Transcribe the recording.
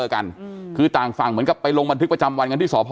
กันคือต่างฝั่งเหมือนกับไปลงบันทึกประจำวันกันที่สพ